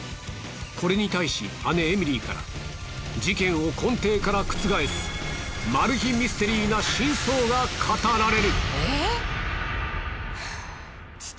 これに対し姉エミリーから事件を根底から覆すマル秘ミステリーな真相が語られる。